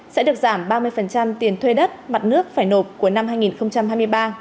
sẽ được giảm ba mươi tiền thuê đất mặt nước phải nộp của năm hai nghìn hai mươi ba